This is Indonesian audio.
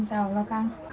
insya allah kang